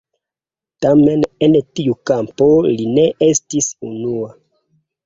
Tamen en tiu kampo li ne estis unua.